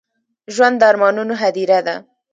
ژوند د ارمانونو هديره ده.